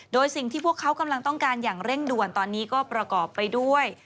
โดยสิ่งที่พวกเขากำลังต้องการอย่างเร่งด่วนตอนนี้ก็ประกอบไปด้วย